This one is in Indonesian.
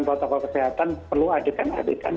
protokol kesehatan perlu adegan adegan